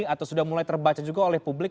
atau sudah mulai terbaca juga oleh publik